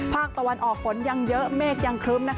ภาคตะวันออกฝนยังเยอะเมฆยังครึ้ม